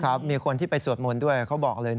มีคนที่ไปสวดมนต์ด้วยเขาบอกเลย